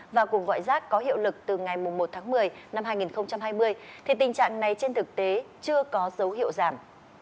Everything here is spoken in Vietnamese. và cuộc gọi rác có hiệu lực từ ngày một tháng một mươi năm hai nghìn hai mươi thì tình trạng này trên thực tế chưa có dấu hiệu giảm